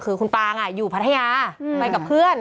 คือคุณปางอยู่พัทยาไปกับเพื่อน